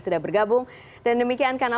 sudah bergabung dan demikian karena